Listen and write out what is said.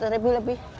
rp seratus lebih